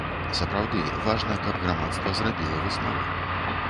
Сапраўды, важна, каб грамадства зрабіла высновы.